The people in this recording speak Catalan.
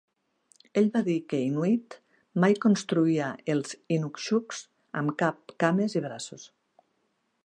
Ell va dir que Inuit mai construïa els inukshuks amb cap, cames i braços.